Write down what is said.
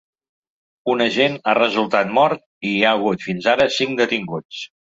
Un agent ha resultat mort i hi ha hagut, fins ara, cinc detinguts.